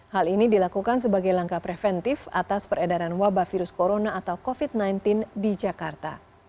hal ini dilakukan sebagai langkah preventif atas peredaran wabah virus corona atau covid sembilan belas di jakarta